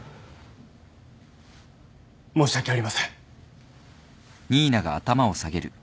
申し訳ありません。